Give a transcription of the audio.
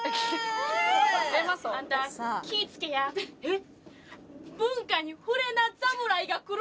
えっ？